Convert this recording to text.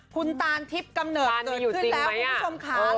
คุณตานทิพย์กำเนิดเกิดขึ้นแล้วคุณผู้ชมค่ะ